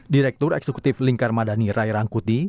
direktur eksekutif lingkar madani rai rangkuti